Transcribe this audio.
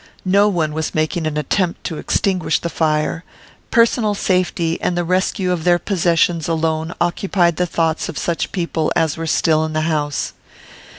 No one was making an attempt to extinguish the fire; personal safety and the rescue of their possessions alone occupied the thoughts of such people as were still in the house.